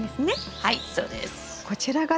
はい。